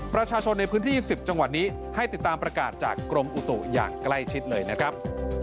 ประชาชนในพื้นที่๑๐จังหวัดนี้ให้ติดตามประกาศจากกรมอุตุอย่างใกล้ชิดเลยนะครับ